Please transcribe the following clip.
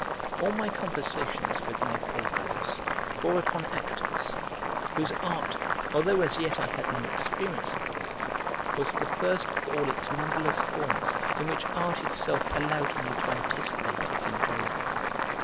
All my conversations with my playfellows bore upon actors, whose art, although as yet I had no experience of it, was the first of all its numberless forms in which Art itself allowed me to anticipate its enjoyment.